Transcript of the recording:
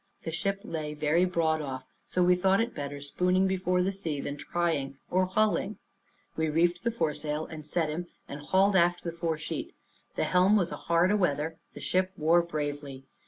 The ship lay very broad off, so we thought it better spooning before the sea, than trying or hulling. We reefed the foresail and set him, and hauled aft the foresheet; the helm was hard a weather. The ship wore bravely.